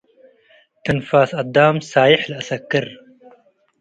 ትንፋሰ አዳም ሳዬሕ ለአሰክር